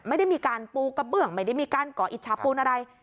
ไม่ได้มีการปูกระเบื้องไม่ได้มีการก่ออิจฉาปูนอะไร